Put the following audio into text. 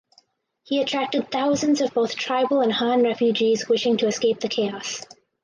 He attracted thousands of both tribal and Han refugees wishing to escape the chaos.